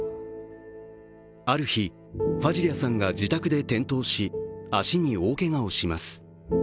ある日、ファジリャさんが自宅で転倒し足に大けがをします。